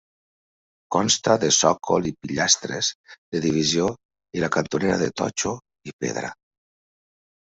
Consta de sòcol i pilastres de divisió i la cantonera de totxo i pedra.